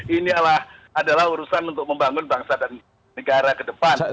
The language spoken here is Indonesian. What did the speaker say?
ini adalah urusan untuk membangun bangsa dan negara ke depan